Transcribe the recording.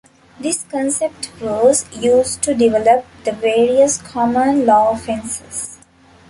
This concept was used to develop the various common law offences.